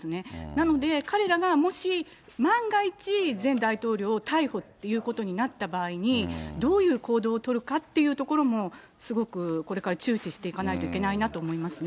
なので、彼らがもし万が一、前大統領を逮捕っていうことになった場合に、どういう行動を取るかっていうところも、すごくこれから注視していかないといけないなと思いますね。